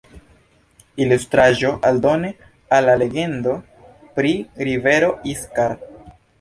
Ilustraĵo aldone al la legendo pri rivero Iskar.